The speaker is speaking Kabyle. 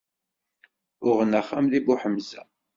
Uɣen axxam deg Buḥemza?